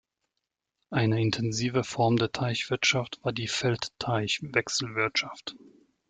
Eine intensive Form der Teichwirtschaft war die Feld-Teich-Wechselwirtschaft.